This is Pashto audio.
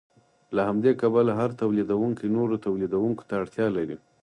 له همدې کبله هر تولیدونکی نورو تولیدونکو ته اړتیا لري